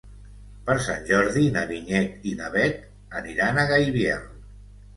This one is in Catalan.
Per Sant Jordi na Vinyet i na Bet aniran a Gaibiel.